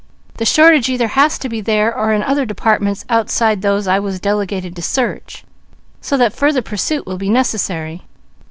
The shortage either has to be there, or in other departments outside those I was delegated to search; so that further pursuit will be necessary.